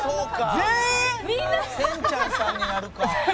せんちゃんさんになるか。